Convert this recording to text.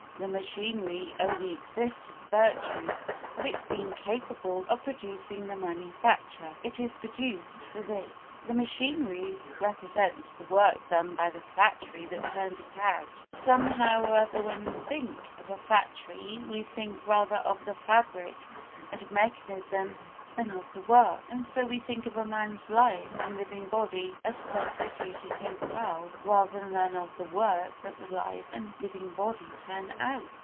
The machinery only exists in virtue of its being capable of producing the manufacture; it is produced for this. The machinery represents the work done by the factory that turned it out. Somehow or other when we think of a factory we think rather of the fabric and mechanism than of the work, and so we think of a man's life and living body as constituting himself rather than of the work that the life and living body turn out.